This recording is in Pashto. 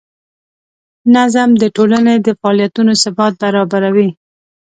نظم د ټولنې د فعالیتونو ثبات برابروي.